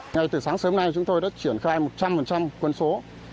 ngay từ sáng sớm nay chúng tôi đã triển khai một trăm linh quân số